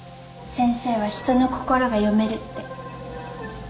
先生は人の心が読めるって。